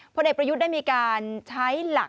เด็กประยุทธ์ได้มีการใช้หลัก